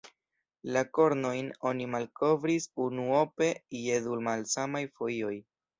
La kornojn oni malkovris unuope je du malsamaj fojoj.